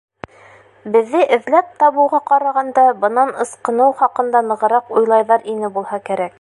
Беҙҙе эҙләп табыуға ҡарағанда бынан ысҡыныу хаҡында нығыраҡ уйлайҙар ине булһа кәрәк.